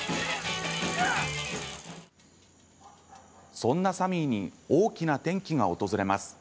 そんなサミーに大きな転機が訪れます。